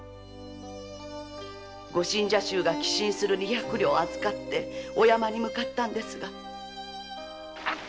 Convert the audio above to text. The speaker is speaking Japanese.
ご信者衆が寄進する二百両を預かりお山へ向かったところ。